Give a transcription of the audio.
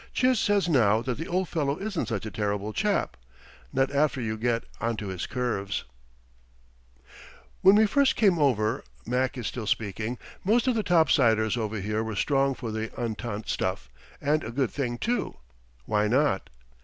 Chiz says now that the old fellow isn't such a terrible chap not after you get onto his curves. When we first came over (Mac is still speaking), most of the topsiders over here were strong for the entente stuff, and a good thing, too why not?